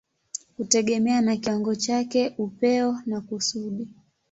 kutegemea na kiwango chake, upeo na kusudi.